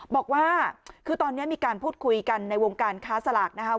บอกว่าคือตอนนี้มีการพูดคุยกันในวงการค้าสลากนะคะ